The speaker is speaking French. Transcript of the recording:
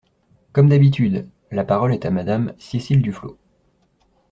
Comme d’habitude ! La parole est à Madame Cécile Duflot.